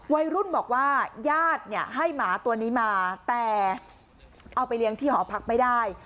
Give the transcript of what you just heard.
วัยรุ่นบอกว่าญาติเนี่ยให้หมาตัวนี้มาแต่เอาไปเลี้ยงที่หอพักไม่ได้